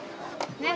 ねっ？